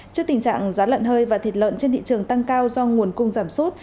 trước tình trạng giá lợn hơi và thịt lợn trên thị trường tăng cao do nguồn cung giảm sút